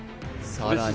さらに